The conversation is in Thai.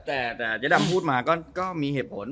แต่เจ๊ดำพูดมาก็มีเหตุผล